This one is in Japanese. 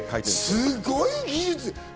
すごい技術！